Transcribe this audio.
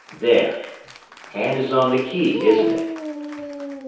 There hand is on the key, isn't it?